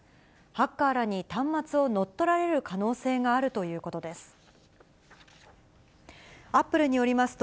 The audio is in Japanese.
ハッカーらに端末を乗っ取られる可能性があるということです。